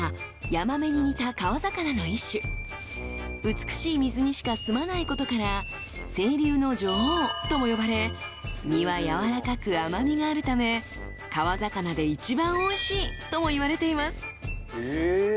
［美しい水にしかすまないことから清流の女王とも呼ばれ身はやわらかく甘味があるため川魚で一番おいしいともいわれています］